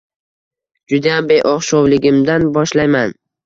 Judayam beo`xshovligimdan boshlayman